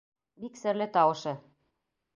Бик серле тауышы.